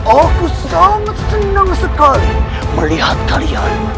aku sangat senang sekali melihat kalian